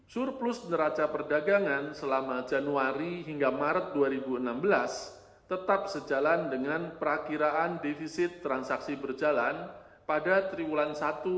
surplus neraca perdagangan selama januari hingga maret dua ribu enam belas tetap sejalan dengan perakiraan defisit transaksi berjalan pada triwulan satu dua ribu dua